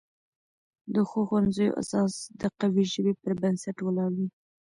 د ښو ښوونځیو اساس د قوي ژبې پر بنسټ ولاړ وي.